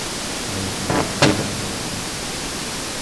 لَا يَكُنْ حُبُّك كَلَفًا